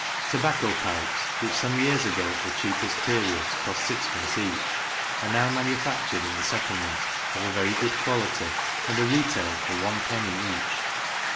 Tobacco pipes, which, some years ago, at the cheapest periods cost sixpence each, are now manufactured in the settlement, of a very good quality, and are retailed for one penny each.